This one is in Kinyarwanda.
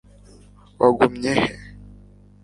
wagumye he